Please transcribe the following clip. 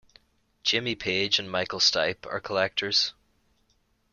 Jimmy Page and Michael Stipe are collectors.